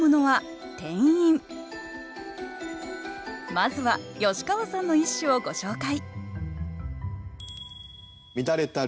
まずは吉川さんの一首をご紹介